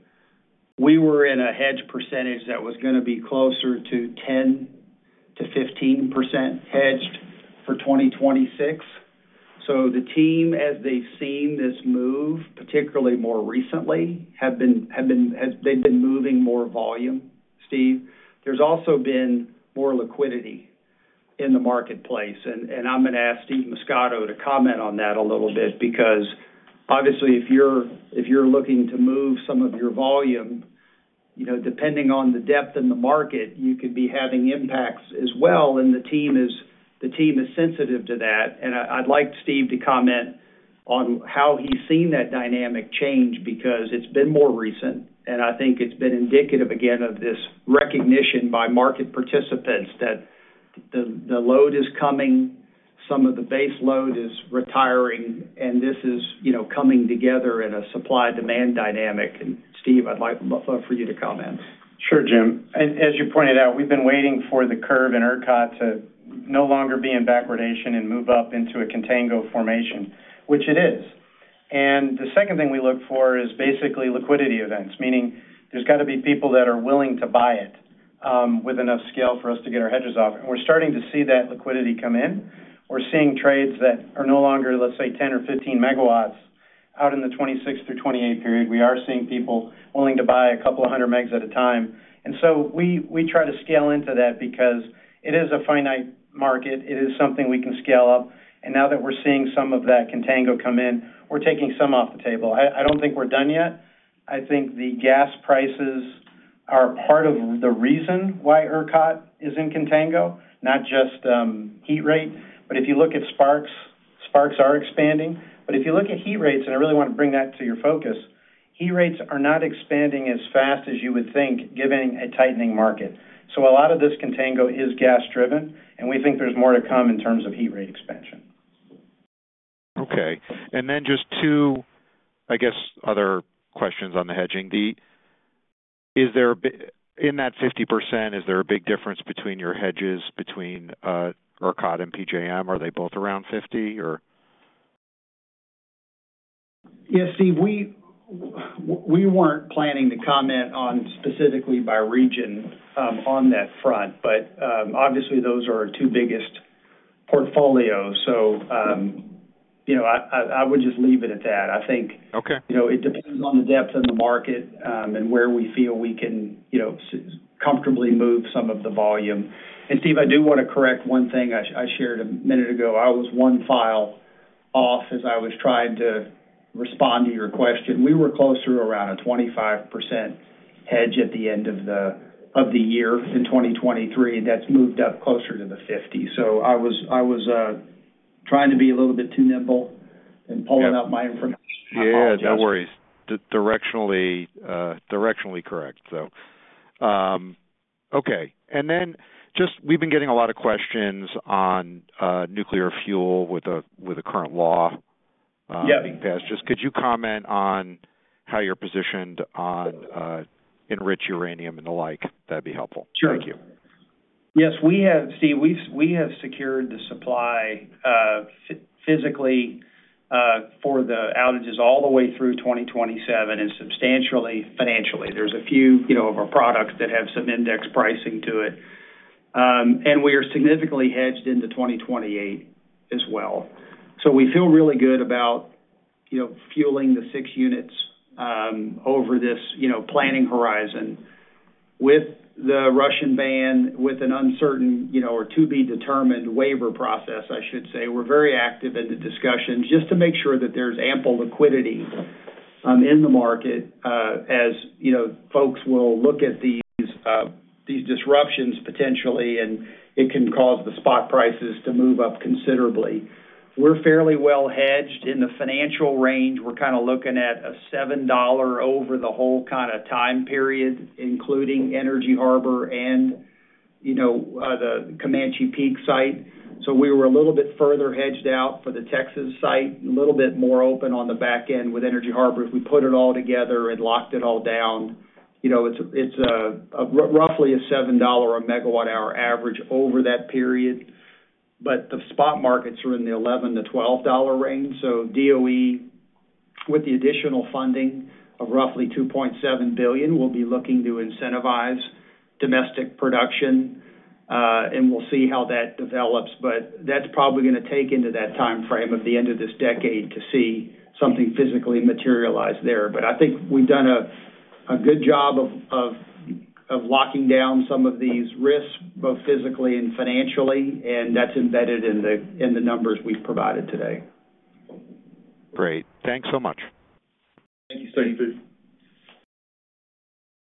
we were in a hedge percentage that was gonna be closer to 10%-15% hedged for 2026. So the team, as they've seen this move, particularly more recently, have been moving more volume, Steve. There's also been more liquidity in the marketplace. I'm gonna ask Steve Muscato to comment on that a little bit, because obviously, if you're looking to move some of your volume, you know, depending on the depth in the market, you could be having impacts as well, and the team is sensitive to that. I'd like Steve to comment on how he's seen that dynamic change, because it's been more recent, and I think it's been indicative, again, of this recognition by market participants that the load is coming, some of the base load is retiring, and this is, you know, coming together in a supply-demand dynamic. Steve, I'd like for you to comment. Sure, Jim. As you pointed out, we've been waiting for the curve in ERCOT to no longer be in backwardation and move up into a contango formation, which it is. And the second thing we look for is basically liquidity events, meaning there's got to be people that are willing to buy it with enough scale for us to get our hedges off. And we're starting to see that liquidity come in. We're seeing trades that are no longer, let's say, 10 or 15 MW out in the 2026 through 2028 period. We are seeing people willing to buy a couple of hundred MW at a time. And so we try to scale into that because it is a finite market. It is something we can scale up. And now that we're seeing some of that contango come in, we're taking some off the table. I don't think we're done yet. I think the gas prices are part of the reason why ERCOT is in contango, not just heat rate. But if you look at spark spreads, spark spreads are expanding. But if you look at heat rates, and I really want to bring that to your focus, heat rates are not expanding as fast as you would think, given a tightening market. So a lot of this contango is gas-driven, and we think there's more to come in terms of heat rate expansion. Okay. And then just two, I guess, other questions on the hedging. In that 50%, is there a big difference between your hedges between ERCOT and PJM? Are they both around 50%, or? Yeah, Steve, we weren't planning to comment on specifically by region, on that front, but obviously, those are our two biggest portfolios. So, you know, I would just leave it at that. I think- Okay. You know, it depends on the depth in the market, and where we feel we can, you know, comfortably move some of the volume. And Steve, I do want to correct one thing I shared a minute ago. I was one file off as I was trying to respond to your question. We were closer to around a 25% hedge at the end of the year in 2023, and that's moved up closer to the 50. So I was, I was, trying to be a little bit too nimble- Yep. In pulling up my information. Yeah, no worries. Directionally correct, so. Okay. And then just we've been getting a lot of questions on nuclear fuel with the current law. Yep. being passed. Just could you comment on how you're positioned on enriched uranium and the like? That'd be helpful. Sure. Thank you. Yes, we have, Steve, we've secured the supply physically for the outages all the way through 2027, and substantially, financially. There's a few, you know, of our products that have some index pricing to it. And we are significantly hedged into 2028 as well. So we feel really good about, you know, fueling the six units over this, you know, planning horizon. With the Russian ban, with an uncertain, you know, or to-be-determined waiver process, I should say, we're very active in the discussions just to make sure that there's ample liquidity in the market, as, you know, folks will look at these these disruptions potentially, and it can cause the spot prices to move up considerably. We're fairly well hedged in the financial range. We're kind of looking at a $7 over the whole kind of time period, including Energy Harbor and, you know, the Comanche Peak site. So we were a little bit further hedged out for the Texas site, a little bit more open on the back end with Energy Harbor. If we put it all together and locked it all down, you know, it's, it's a, roughly a $7/MWh average over that period. But the spot markets are in the $11-$12 range, so DOE, with the additional funding of roughly $2.7 billion, will be looking to incentivize domestic production, and we'll see how that develops. But that's probably gonna take into that timeframe of the end of this decade to see something physically materialize there. But I think we've done a good job of locking down some of these risks, both physically and financially, and that's embedded in the numbers we've provided today. Great. Thanks so much. Thank you, Steve.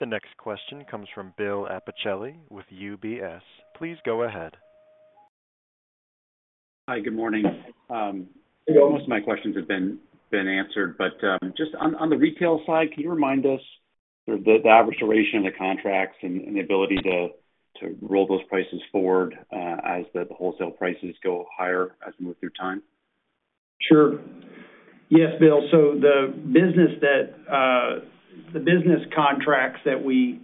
The next question comes from Bill Appicelli with UBS. Please go ahead. Hi, good morning. I think most of my questions have been answered, but just on the retail side, can you remind us the average duration of the contracts and the ability to roll those prices forward, as the wholesale prices go higher, as we move through time? Sure. Yes, Bill. So the business that, the business contracts that we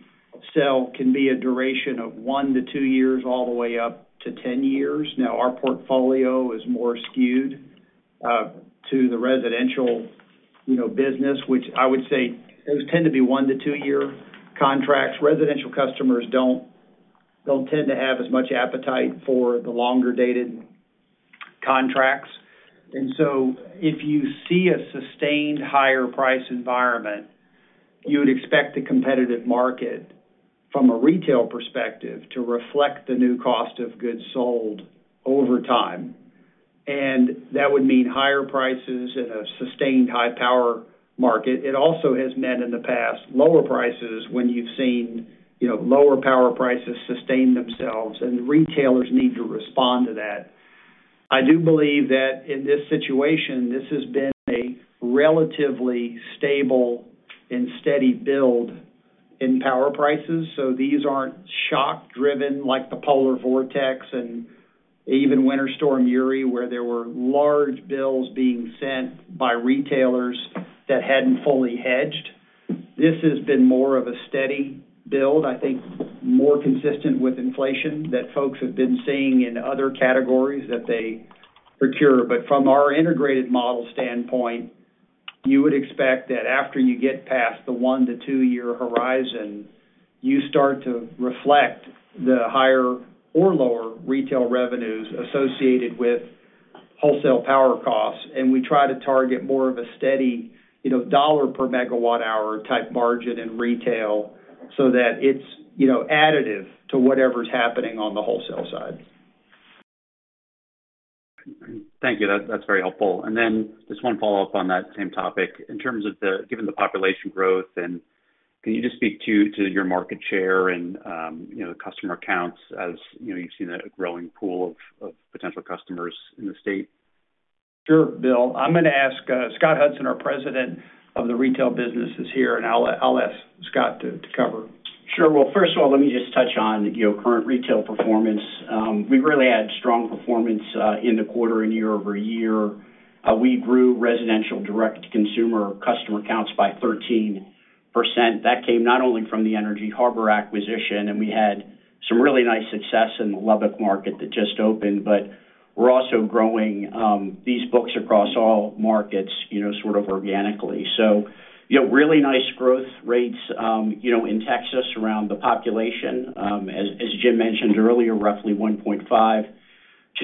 sell can be a duration of one to two years, all the way up to 10 years. Now, our portfolio is more skewed to the residential, you know, business, which I would say those tend to be one-to-two-year contracts. Residential customers don't tend to have as much appetite for the longer-dated contracts. And so if you see a sustained higher price environment, you would expect the competitive market, from a retail perspective, to reflect the new cost of goods sold over time. And that would mean higher prices in a sustained high power market. It also has meant, in the past, lower prices when you've seen, you know, lower power prices sustain themselves, and retailers need to respond to that. I do believe that in this situation, this has been a relatively stable and steady build in power prices, so these aren't shock-driven, like the polar vortex and even Winter Storm Uri, where there were large bills being sent by retailers that hadn't fully hedged. This has been more of a steady build, I think, more consistent with inflation that folks have been seeing in other categories that they procure. But from our integrated model standpoint, you would expect that after you get past the one-to-two-year horizon, you start to reflect the higher or lower retail revenues associated with wholesale power costs. And we try to target more of a steady, you know, dollar per megawatt hour type margin in retail, so that it's, you know, additive to whatever's happening on the wholesale side. Thank you. That's very helpful. And then just one follow-up on that same topic. In terms of, given the population growth and, can you just speak to your market share and, you know, the customer counts, as you know, you've seen a growing pool of potential customers in the state? Sure, Bill. I'm gonna ask Scott Hudson, our President of the retail business, is here, and I'll, I'll ask Scott to, to cover. Sure. Well, first of all, let me just touch on, you know, current retail performance. We've really had strong performance in the quarter and year-over-year. We grew residential direct-to-consumer customer counts by 13%. That came not only from the Energy Harbor acquisition, and we had some really nice success in the Lubbock market that just opened, but we're also growing these books across all markets, you know, sort of organically. So, you know, really nice growth rates, you know, in Texas, around the population. As, as Jim mentioned earlier, roughly 1.5%-2%.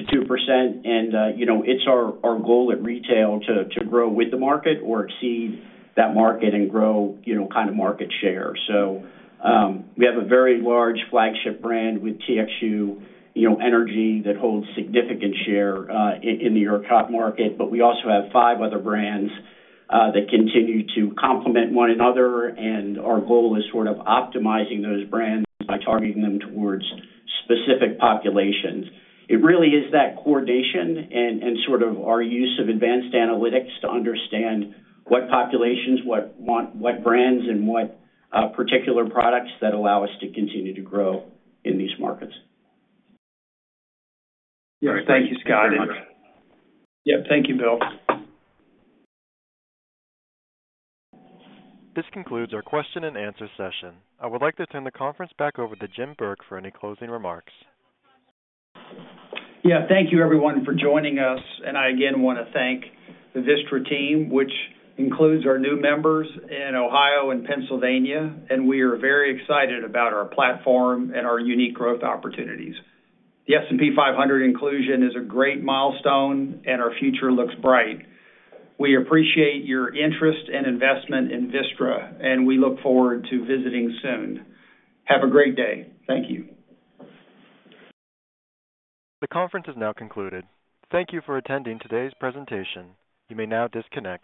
And, you know, it's our, our goal at retail to, to grow with the market or exceed that market and grow, you know, kind of market share. So, we have a very large flagship brand with TXU, you know, energy, that holds significant share in the ERCOT market. But we also have five other brands that continue to complement one another, and our goal is sort of optimizing those brands by targeting them towards specific populations. It really is that coordination and sort of our use of advanced analytics to understand what populations, what want, what brands, and what particular products that allow us to continue to grow in these markets. Yes, thank you, Scott. Thank you very much. Yeah. Thank you, Bill. This concludes our question and answer session. I would like to turn the conference back over to Jim Burke for any closing remarks. Yeah. Thank you, everyone, for joining us, and I again want to thank the Vistra team, which includes our new members in Ohio and Pennsylvania, and we are very excited about our platform and our unique growth opportunities. The S&P 500 inclusion is a great milestone, and our future looks bright. We appreciate your interest and investment in Vistra, and we look forward to visiting soon. Have a great day. Thank you. The conference is now concluded. Thank you for attending today's presentation. You may now disconnect.